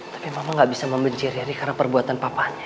tapi mama gak bisa membenci ri karena perbuatan papanya